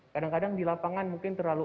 kadang kadang di lapangan mungkin terlalu